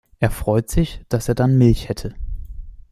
Er freut sich, dass er dann Milch hätte.